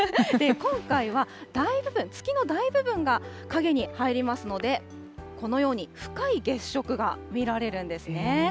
今回は月の大部分が陰に入りますので、このように深い月食が見られるんですね。